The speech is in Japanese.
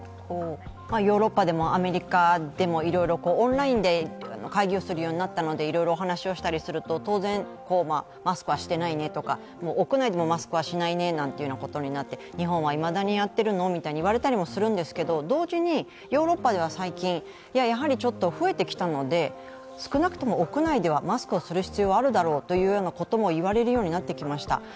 ヨーロッパでもアメリカでもいろいろオンラインで会議をするようになったのでいろいろ話をしたりすると当然、マスクはしてないねとか屋内でもマスクはしないねということになって、日本はいまだにやってるのなんて言われたりするんですけど同時に、ヨーロッパでは最近、やはりちょっと増えてきたので少なくとも屋内ではマスクをする必要はあるだろうと言われるようになってきました。